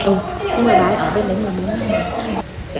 ừ không phải bà ấy ở bên đấy mà bán